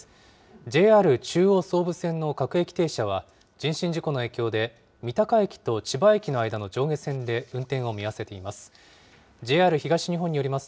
ＪＲ中央総武線の各駅停車は、人身事故の影響で、三鷹駅と千葉駅の間の上下線で運転を見合わせています。